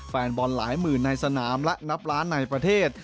แฟนบอลหลายหมื่นในสนามและนับล้านในประเทศ